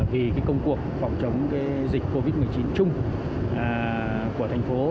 vì công cuộc phòng chống dịch covid một mươi chín chung của thành phố